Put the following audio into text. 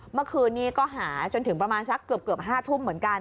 เมื่อคืนนี้ก็หาจนถึงประมาณสักเกือบ๕ทุ่มเหมือนกัน